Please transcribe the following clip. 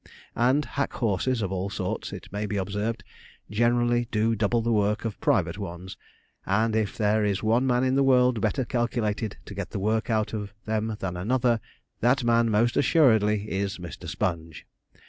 And hack horses, of all sorts, it may be observed, generally do double the work of private ones; and if there is one man in the world better calculated to get the work out of them than another, that man most assuredly is Mr. Sponge.